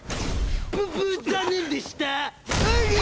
ぶぶ残念でした！